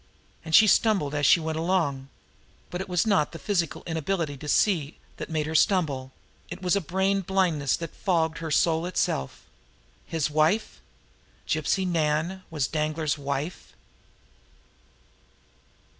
And she stumbled as she went along. But it was not the physical inability to see that made her stumble it was a brain blindness that fogged her soul itself. His wife! Gypsy Nan was Danglar's wife.